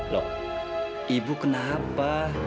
loh ibu kenapa